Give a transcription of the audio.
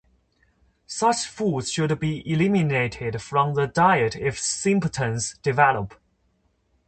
Such foods should be eliminated from the diet if symptoms develop.